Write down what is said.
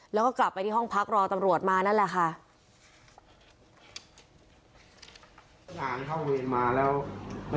แล้วก็กลับไปที่ห้องพักรอตำรวจมานั่นแหละค่ะ